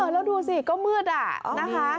อ๋อแล้วดูสิก็มืดอ่ะนะคะ